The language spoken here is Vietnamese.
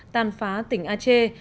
tan phá tỉnh aceh